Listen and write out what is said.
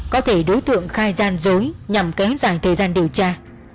có thể đối tượng khai gian dối nhằm kéo dài thời gian điều tra